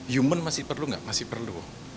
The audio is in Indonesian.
human masih perlu nggak masih perlu